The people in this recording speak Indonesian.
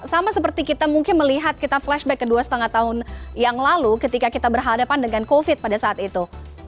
sama seperti kita mungkin melihat kita flashback ke dua lima tahun yang lalu ketika kita berhadapan dengan covid pada saat itu